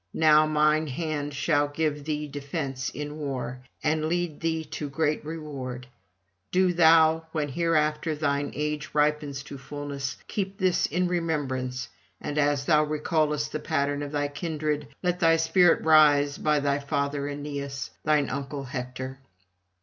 Now mine hand shall give thee defence in war, and lead thee to great reward: do thou, when hereafter thine age ripens to fulness, keep this in remembrance, and as thou recallest the pattern of thy kindred, let thy spirit rise to thy father Aeneas, thine uncle Hector.'